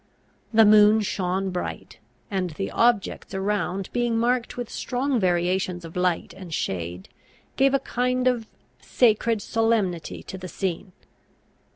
The moon shone bright; and the objects around being marked with strong variations of light and shade, gave a kind of sacred solemnity to the scene.